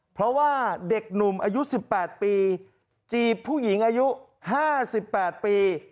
เพราะว่าเด็กหนุ่มอายุ๑๘ปีจีบผู้หญิงอายุ๕๘ปี